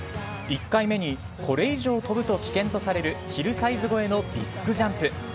１回目にこれ以上跳ぶと危険とされるヒルサイズ超えのビッグジャンプ。